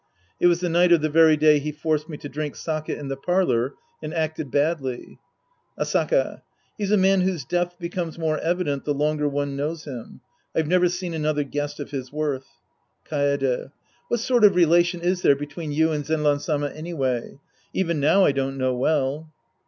It was the night of the very day he forced me to drink sake in the parlor and acted badly. Asaka. He's a man whose depth becomes more evident the longer one knows him. I've never seen another guest of his worth. Kaede. What sort of relation is there between you and Zenran Sama anyway. Even now I don't know well.